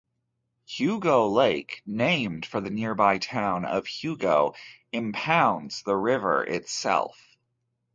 Hugo Lake, named for the nearby town of Hugo, impounds the river itself.